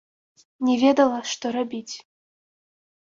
Не ведала, што рабіць.